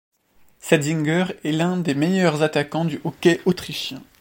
Setzinger est l'un des meilleurs attaquants du hockey autrichien.